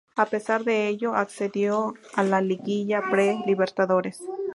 A pesar de ello, accedió a la Liguilla Pre Libertadores.